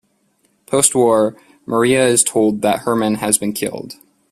Postwar, Maria is told that Hermann has been killed.